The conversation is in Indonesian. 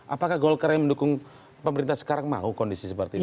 apakah golkar yang mendukung pemerintah sekarang mau kondisi seperti ini